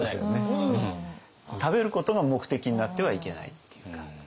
食べることが目的になってはいけないっていうか。